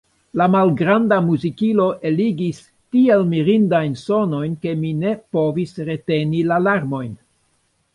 La malgranda muzikilo eligis tiel mirindajn sonojn, ke mi ne povis reteni la larmojn.